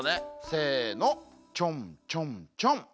せのちょんちょんちょん。